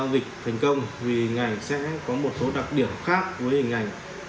vì hình ảnh sẽ có một số đặc điểm khác với hình ảnh